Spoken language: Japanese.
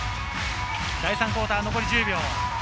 第３クオーター、残り１０秒。